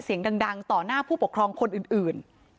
เสียงดังต่อหน้าผู้ปกครองคนอื่น